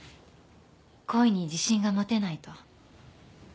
恋に自信が持てないと